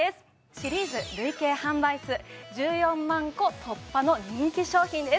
シリーズ累計販売数１４万個突破の人気商品です